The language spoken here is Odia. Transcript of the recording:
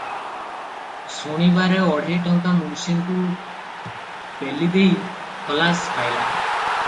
ଶୁଣିବାରେ ଅଢ଼େଇଶ ଟଙ୍କା ମୁନିସ୍କୁ ପେଲିଦେଇ ଖଲାସ ପାଇଲା ।